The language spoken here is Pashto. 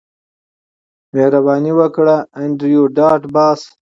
مهرباني وکړه انډریو ډاټ باس